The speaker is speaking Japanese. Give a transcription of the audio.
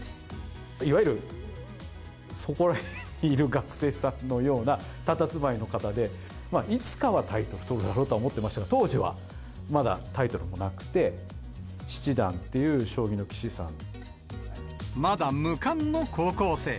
いわゆるそこらへんにいる学生さんのようなたたずまいの方で、いつかはタイトル取るだろうと思ってましたが、当時はまだタイトルもなくて、まだ無冠の高校生。